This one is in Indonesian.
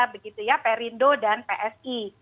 begitu ya perindo dan psi